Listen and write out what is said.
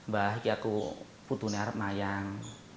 bahwa aku harus berharap yang